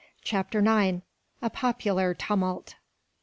Chapter 9: A Popular Tumult.